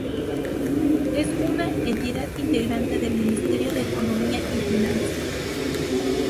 Es una entidad integrante del Ministerio de Economía y Finanzas.